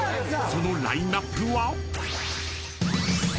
［そのラインアップは］